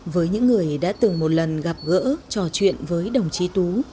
với những người đã từng một lần gặp gỡ trò chuyện với đồng chí tú